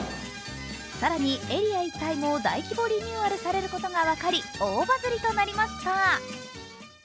更に、エリア一帯も大規模リニューアルされることが分かり、大バズりとなりました。